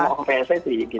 isinya yang mencuri pssi gitu